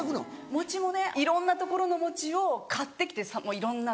餅もねいろんな所の餅を買ってきていろんなの。